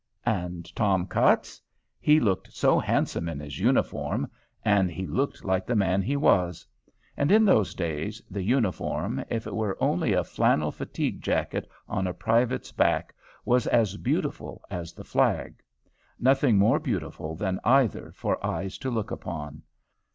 And Tom Cutts? He looked so handsome in his uniform, and he looked like the man he was. And in those days, the uniform, if it were only a flannel fatigue jacket on a private's back, was as beautiful as the flag; nothing more beautiful than either for eyes to look upon.